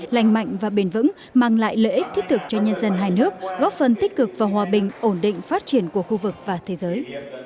lành mạnh và bền vững mang lại lợi ích thiết thực cho nhân dân hai nước góp phần tích cực và hòa bình ổn định phát triển của khu vực và thế giới